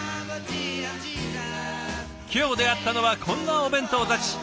今日出会ったのはこんなお弁当たち。